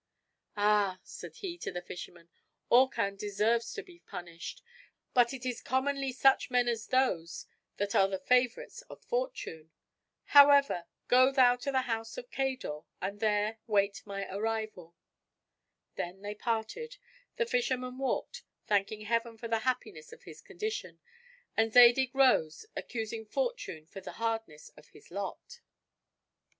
"Ah!" said he to the fisherman, "Orcan deserves to be punished; but it is commonly such men as those that are the favorites of fortune. However, go thou to the house of Lord Cador, and there wait my arrival." They then parted, the fisherman walked, thanking Heaven for the happiness of his condition; and Zadig rode, accusing fortune for the hardness of his lot.